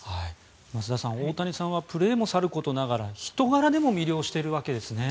増田さん、大谷さんはプレーもさることながら人柄でも魅了しているわけですね。